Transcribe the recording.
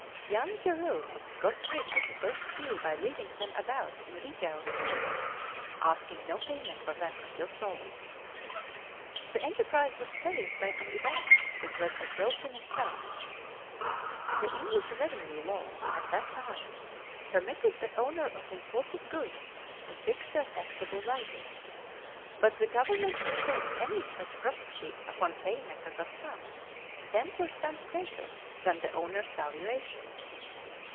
Young Jerome got rid of the first few by leaving them about in retail stores, asking no payment for them until sold. The enterprise was saved by an event which was a joke in itself. The English revenue law at that time permitted the owner of imported goods to fix their taxable value. But the government could take any such property upon payment of a sum ten per cent greater than the owner's valuation.